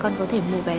ồ rồi nha